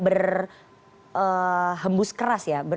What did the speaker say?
berhembus keras ya